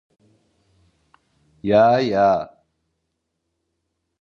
Ya, ya.